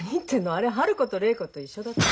あれは春子と礼子と一緒だった。